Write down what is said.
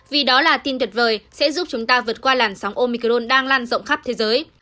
vì đó là tin tuyệt vời sẽ giúp chúng ta vượt qua làn sóng omicron đang lan rộng khắp thế giới